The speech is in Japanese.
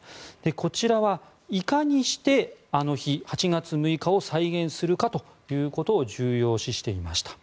こちらは、いかにしてあの日、８月６日を再現するかということを重要視していました。